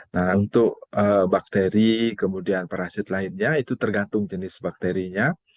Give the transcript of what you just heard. nah untuk bakteri kemudian parasit lainnya itu tergantung jenis bakterinya